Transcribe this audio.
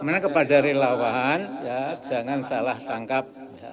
kemana kepada rai lawan ya jangan salah tangkap